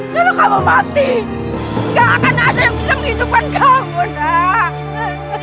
kalau kamu mati gak akan ada yang bisa menghidupkan kamu enggak